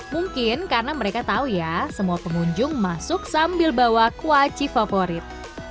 mungkin karena mereka tahu ya semua pengunjung masuk sambil bawa kuaci favorit